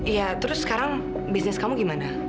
iya terus sekarang bisnis kamu gimana